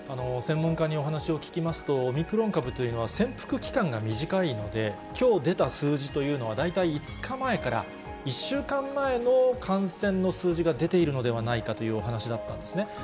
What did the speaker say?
専門家にお話を聞きますと、オミクロン株というのは潜伏期間が短いので、きょう出た数字というのは、大体５日前から、１週間前の感染の数字が出ているのではないかというお話だったんですね。